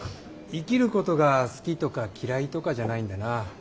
生きることが好きとか嫌いとかじゃないんだな。